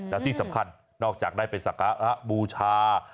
แล้วที่สำคัญนอกจากได้ไปสักการะบูชา